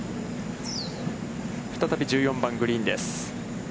再び１４番グリーンです。